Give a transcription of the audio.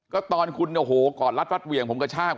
ก็ตอนคุณก่อนลัดลัดเหวี่ยงผมกระชาก